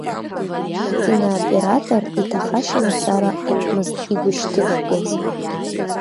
Акинооператор иҭахашьа мацара акәмызт игәышьҭыхгаз.